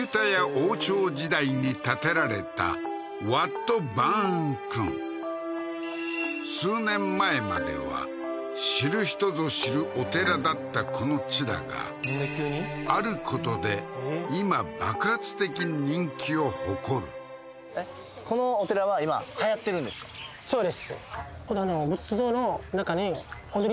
王朝時代に建てられたワット・バーンクン数年前までは知る人ぞ知るお寺だったこの地だがあることで今爆発的人気を誇るえっそうです